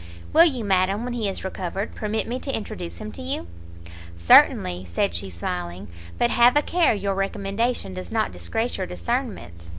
Will you, madam, when he is recovered, permit me to introduce him to you?" "Certainly;" said she, smiling; "but have a care your recommendation does not disgrace your discernment."